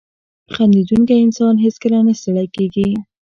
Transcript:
• خندېدونکی انسان هیڅکله نه ستړی کېږي.